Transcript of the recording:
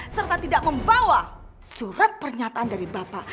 serta tidak membawa surat pernyataan dari bapak